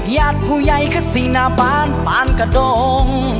ญาติผู้ใหญ่ข้าสี่หน้าปานปานกระดง